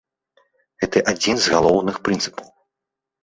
Гэта адзін з галоўных прынцыпаў.